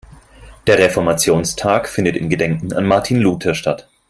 Der Reformationstag findet in Gedenken an Martin Luther statt.